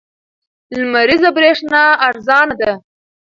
لمریزه برېښنا ارزانه ده.